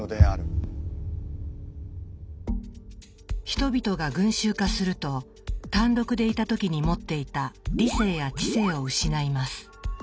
人々が群衆化すると単独でいた時に持っていた理性や知性を失います。